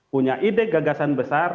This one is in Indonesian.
punya ide gagasan besar